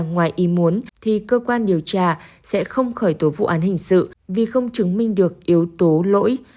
ngoài ý muốn thì cơ quan điều tra sẽ không khởi tố vụ án hình sự vì không chứng minh được yếu tố lỗi